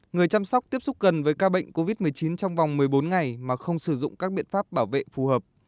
người chăm sóc tiếp xúc gần với ca bệnh covid một mươi chín trong vòng một mươi bốn ngày mà không sử dụng các biện pháp bảo vệ phù hợp